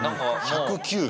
１０９。